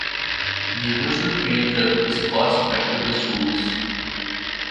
The virtual field trip is cost effective to schools.